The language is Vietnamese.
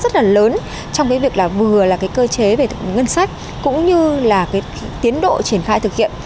cái nốt thắt rất là lớn trong cái việc là vừa là cái cơ chế về ngân sách cũng như là cái tiến độ triển khai thực hiện